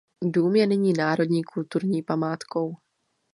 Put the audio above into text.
Dům je nyní národní kulturní památkou.